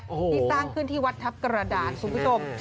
ที่สร้างขึ้นที่วัดทัพกระดานคุณผู้ชม